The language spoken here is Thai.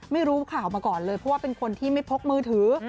ไม่รู้ข่าวมาก่อนเลยเพราะว่าเป็นคนที่ไม่พกมือถือ